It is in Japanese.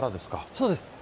そうです。